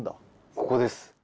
ここです。